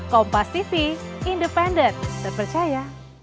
kompas tv independen terpercaya